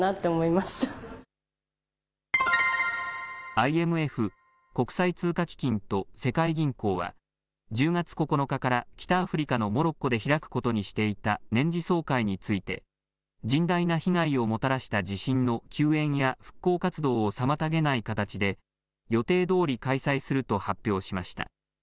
ＩＭＦ・国際通貨基金と世界銀行は１０月９日から北アフリカのモロッコで開くことにしていた年次総会について甚大な被害をもたらした地震の救援や復興活動を妨げない形で予定どおり開催すると発表しました。